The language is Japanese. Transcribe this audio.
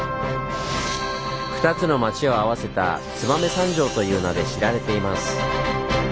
２つの町を合わせた「燕三条」という名で知られています。